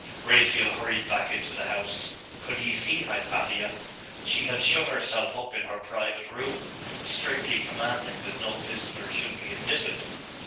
Raphael hurried back into the house 'Could he see Hypatia?' She had shut herself up in her private room, strictly commanding that no visitor should be admitted....